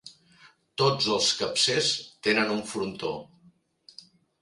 Tots els capcers tenen un frontó.